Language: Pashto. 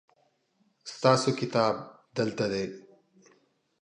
ستاسو کتاب دلته دی